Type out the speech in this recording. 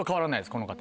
この方。